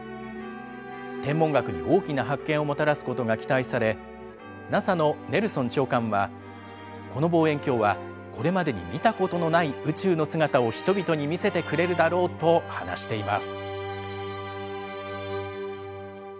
天文学に大きな発見をもたらすことが期待され、ＮＡＳＡのネルソン長官はこの望遠鏡はこれまでに見たことのない宇宙の姿を人々に見せてくれるだろうと話しています。